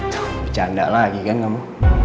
kamu bercanda lagi kan kamu